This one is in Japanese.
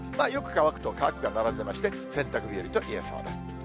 よく乾くと乾くが並びまして、洗濯日和といえそうです。